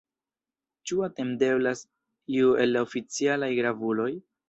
Ĉu atendeblas iu el la oficialaj gravuloj?